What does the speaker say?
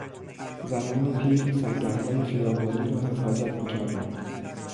زنان پیر سنگرهای خیابانی را حفاظت میکردند.